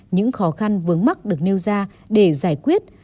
những khó khăn vướng mắt được nêu ra để giải quyết